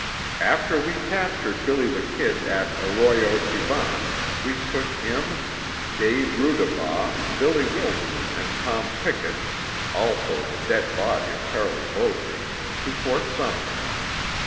"After we captured 'Billy the Kid' at Arroyo Tivan, we took him, Dave Rudabaugh, Billy Wilson, and Tom Pickett also the dead body of Charlie Bowdre to Fort Sumner.